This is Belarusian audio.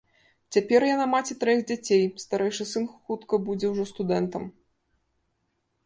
Цяпер яна маці траіх дзяцей, старэйшы сын хутка будзе ўжо студэнтам.